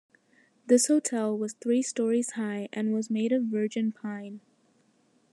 This hotel was three stories high and was made of virgin pine.